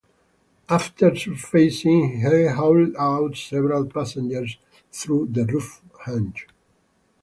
After surfacing, he hauled out several passengers through the roof hatch.